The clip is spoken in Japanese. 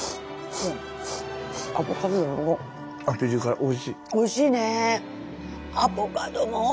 おいしい。